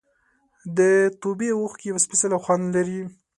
د توبې اوښکې یو سپېڅلی خوند لري.